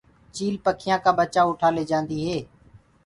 چيِل پکيآ ڪآ ٻچآ اُٺآ ليجآندي هي۔